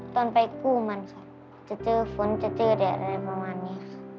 ตอนไปกู้มันค่ะจะเจอฝนจะเจอแดดอะไรประมาณนี้ค่ะ